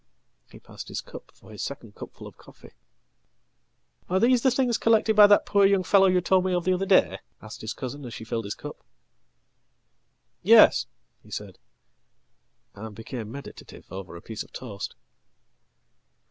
"He passed his cup for his second cupful of coffee."Are these the things collected by that poor young fellow you told me ofthe other day?" asked his cousin, as she filled his cup."Yes," he said, and became meditative over a piece of toast."